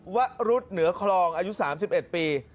วรุษเหนือคลองอายุ๓๑ปี